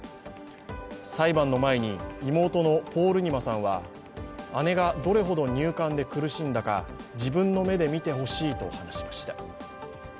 裁判の前に妹のポールニマさんは姉がどれほど入管で苦しんだか自分の目で見てほしいと話しました。